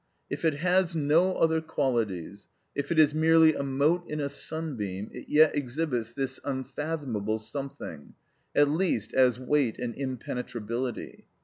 If it has no other qualities, if it is merely a mote in a sunbeam, it yet exhibits this unfathomable something, at least as weight and impenetrability.